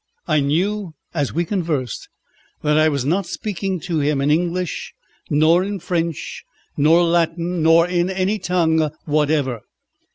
I knew as we conversed that I was not speaking to him in English, nor in French, nor Latin, nor in any tongue whatever.